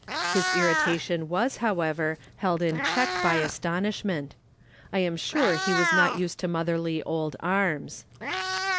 His irritation was, however, held in check by astonish ment; I am sure he was not used to motherly old arms.